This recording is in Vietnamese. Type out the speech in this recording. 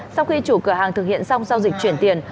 sau khi chủ cửa hàng thực hiện xong giao dịch chuyển tiền